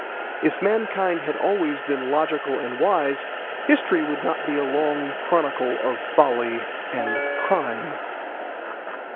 If mankind had always been logical and wise, history would not be a long chronicle of folly and crime.